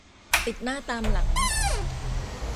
ติดหน้าตามหลัง